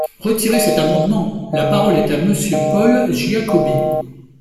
Retirez cet amendement ! La parole est à Monsieur Paul Giacobbi.